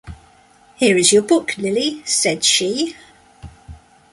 “Here is your book, Lily,” said she.